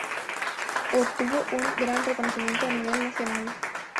Obtuvo un gran reconocimiento a nivel nacional.